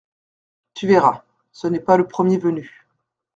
Tu verras,… ce n’est pas le premier venu.